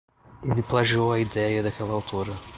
Ele plagiou a ideia daquela autora.